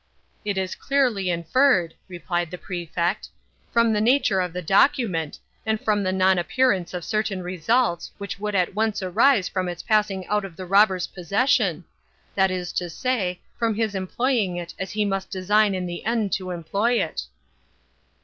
"It is clearly inferred," replied the Prefect, "from the nature of the document, and from the non appearance of certain results which would at once arise from its passing out of the robber's possession; that is to say, from his employing it as he must design in the end to employ it."